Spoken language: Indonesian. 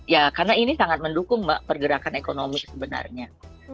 ya karena ini sangat mendukung mbak pergerakan ekonomi sebenarnya